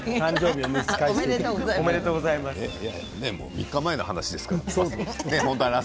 ３日前の話ですけどね。